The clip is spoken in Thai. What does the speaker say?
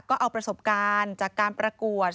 ก็เอาประสบการณ์จากการประกวด